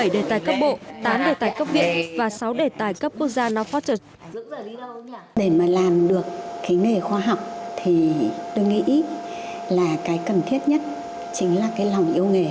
một mươi bảy đề tài cấp bộ tám đề tài cấp viện và sáu đề tài cấp quốc gia nào phát triển